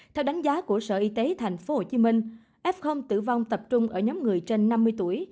theo đánh giá của sở y tế thành phố hồ chí minh f tử vong tập trung ở nhóm người trên năm mươi tuổi